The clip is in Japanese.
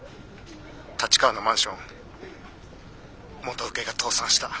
立川のマンション元請けが倒産した。